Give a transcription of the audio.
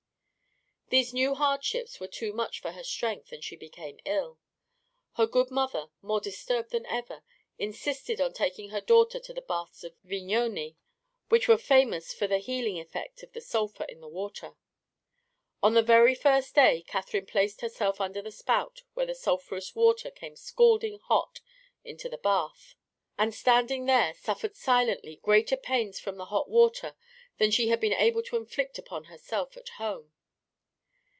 These new hardships were too much for her strength and she became ill. Her good mother, more disturbed than ever, insisted on taking her daughter to the baths of Vignone, which were famous for the healing effect of the sulphur in the water. On the very first day Catherine placed herself under the spout where the sulphurous water came scalding hot into the bath, and standing there suffered silently greater pains from the hot water than she had been able to inflict upon herself at home.